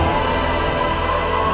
itu keesya bukan